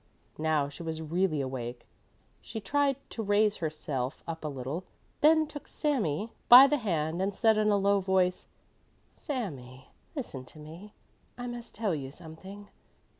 Now she was really awake. She tried to raise herself up a little, then took Sami by the hand and said in a low voice: "Sami, listen to me, I must tell you something.